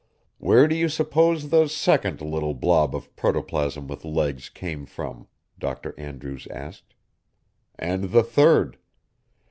"Where do you suppose the second little blob of protoplasm with legs came from?" Dr. Andrews asked. "And the third?